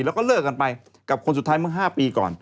แล้วก็เลิกกันไปกับคนสุดท้ายเมื่อ๕ปีก่อน